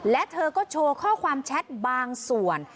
และเธอก็โชว์ข้อความแชทบางส่วน